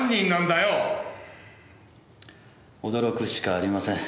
驚くしかありません。